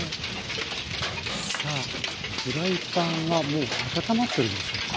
さあフライパンはもう温まってるんでしょうか。